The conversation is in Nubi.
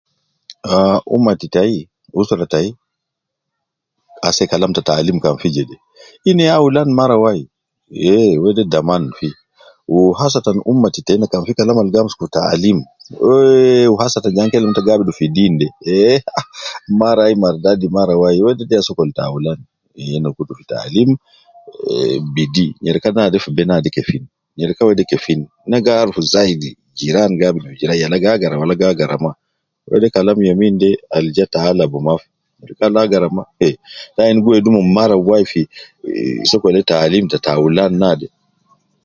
Ah ummat tai, usra tai, ase kalam ta taalim kan fi jede, ina ya aulan mara wai, eh wede daman fi ,wu hasatan ummat tena kan fi kalam al gi amsuku taalim, wuo ehh, wu hasatan je ana kelem neta kan ta abidu fi deen de, eh ah, mara wai mardadi mara wai wedede ya sokol taulan, ye na kutu fi taalim, eh na kutu bidi, ngereka naade fi be naade kefin, ngereka wede kefin, na gi arufu zaidi, jiran gi abidu kefin, yala gi agara wala gi agara na, wede Kalam youm inde al ja ta alab ma, nyereku al agara ma, eh, tayin gi wedi omon mara wai fi, fi sokole taalim taulan naade